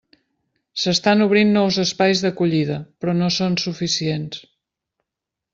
S'estan obrint nous espais d'acollida, però no són suficients.